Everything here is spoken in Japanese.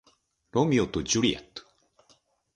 ロミオとジュリエット